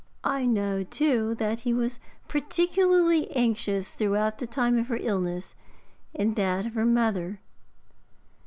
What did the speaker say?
I know, too, that he was particularly anxious throughout the time of her illness, and that of her mother.'